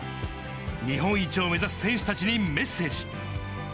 日本一を目指す選手たちにメッセージ。